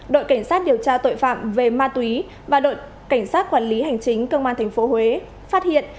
đội cảnh sát điều tra tội phạm về ma túy và đội cảnh sát quản lý hành chính công an tp huế phát hiện